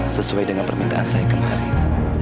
sesuai dengan permintaan saya kemarin